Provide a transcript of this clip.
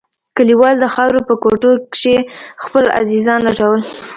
کليوالو د خاورو په کوټو کښې خپل عزيزان لټول.